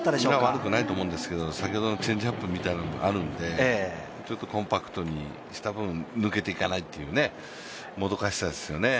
悪くないと思うんですけど、先ほどのチェンジアップみたいなのがあるので、コンパクトにした分抜けていかないというもどかしさですよね。